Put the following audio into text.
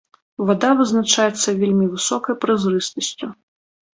Вада вызначаецца вельмі высокай празрыстасцю.